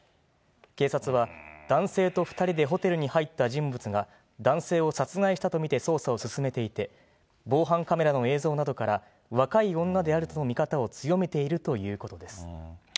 警察は、男性と２人でホテルに入った人物が、男性を殺害したと見て捜査を進めていて、防犯カメラの映像などから、若い女であるとの見方を強めているということです。